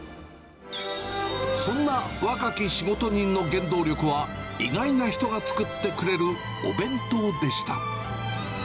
そんな若き仕事人の原動力は、意外な人が作ってくれるお弁当でした。